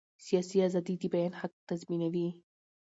سیاسي ازادي د بیان حق تضمینوي